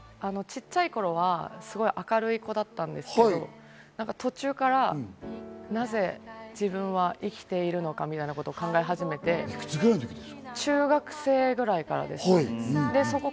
ちっちゃい頃はすごい明るい子だったんですけど、途中からなぜ自分は生きているのかみたいなことを考え始めて、中学生ぐらいからです。